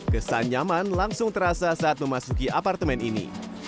kesan nyaman langsung terasa saat memasuki apartemen ini